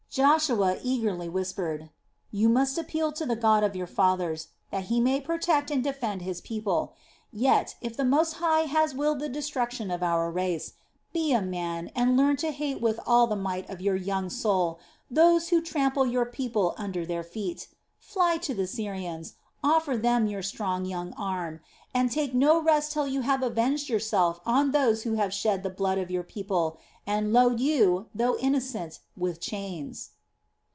Joshua eagerly whispered: "You must appeal to the God of your fathers, that he may protect and defend His people. Yet, if the Most High has willed the destruction of our race, be a man and learn to hate with all the might of your young soul those who trample your people under their feet. Fly to the Syrians, offer them your strong young arm, and take no rest till you have avenged yourself on those who have shed the blood of your people and load you, though innocent, with chains."